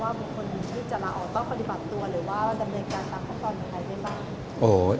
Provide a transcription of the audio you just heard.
อยากตอบ